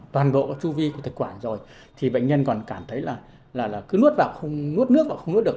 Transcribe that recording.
toàn bộ chu vi của thức quản rồi thì bệnh nhân còn cảm thấy là cứ nuốt vào không nuốt nước vào không nuốt được